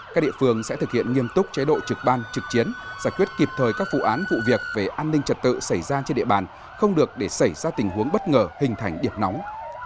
các địa phương sẽ thực hiện nghiêm túc chế độ trực ban trực chiến giải quyết kịp thời các vụ án vụ việc về an ninh trật tự xảy ra trên địa bàn không được để xảy ra tình huống bất ngờ hình thành điểm nóng